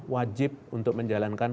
wajib untuk menjalankan